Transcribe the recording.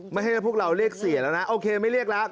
ไม่ให้พวกเราเรียกเสียแล้วนะโอเคไม่เรียกแล้ว